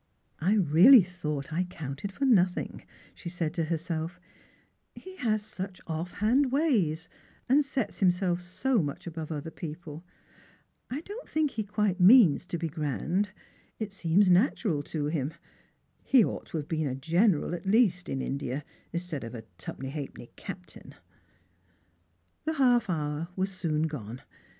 " I really thought I counted for nothing," she said to hersel, " he has such ofi' hand ways, and sets kimself so much above other people. I don't think he quite means to be grand ; if seems natural to him. He ought to have been a general at leus^ in India, instead of a twopenny halfpenny captain !"' The half hour was soon gone.